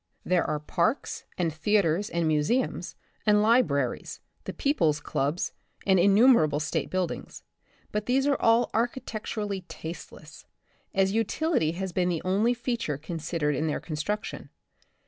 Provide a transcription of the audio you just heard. There // 20 The Republic of the Future, are parks and theatres and museums, and libraries, the Peoples' Clubs, and innumerable state buildings ; but these are all architectur ally tasteless, as utility has been the only feat ure considered in their construction.